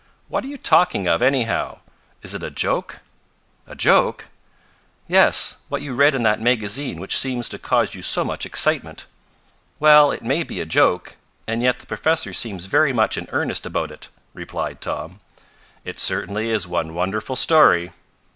What are you talking of, anyhow? Is it a joke?" "A joke?" "Yes. What you just read in that magazine which seems to cause you so much excitement." "Well, it may be a joke; and yet the professor seems very much in earnest about it," replied Tom. "It certainly is one wonderful story!"